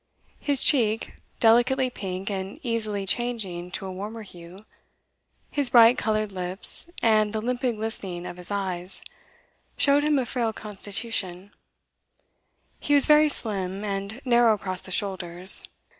His cheek, delicately pink and easily changing to a warmer hue, his bright coloured lips, and the limpid glistening of his eyes, showed him of frail constitution; he was very slim, and narrow across the shoulders.